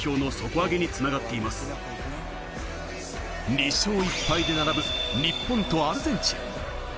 ２勝１敗で並ぶ日本とアルゼンチン。